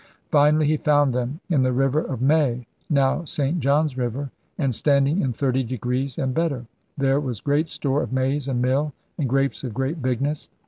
Finally he found them *in the river of May [now St. John's River] and standing in 30 degrees and better.' There was 'great store of maize and mill, and grapes of great bigness.